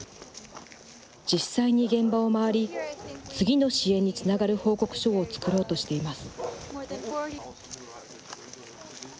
実際に現場を回り、次の支援につながる報告書を作ろうとしています。